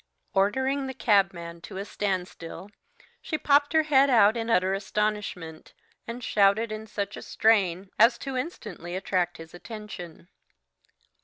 Ordering the cabman to a standstill, she popped her head out in utter astonishment, and shouted in such a strain as to instantly attract his attention.